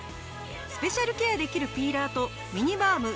スペシャルケアできるピーラーとミニバーム